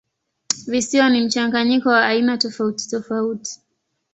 Visiwa ni mchanganyiko wa aina tofautitofauti.